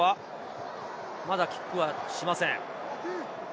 まだキックはしません。